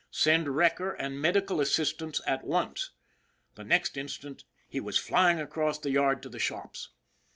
Send wrecker and medical assistance at once." The next instant he was flying across the yard to the shops.